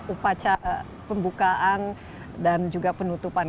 upacara pembukaan dan juga penutupan